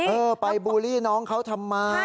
เออไปบูลลี่น้องเขาทำไม